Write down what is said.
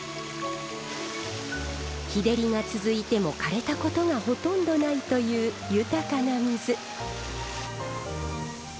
日照りが続いても枯れたことがほとんどないという豊かな水。